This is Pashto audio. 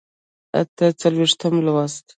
اته څلوېښتم لوست